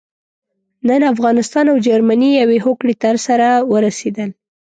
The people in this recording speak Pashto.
نن افغانستان او جرمني يوې هوکړې ته سره ورسېدل.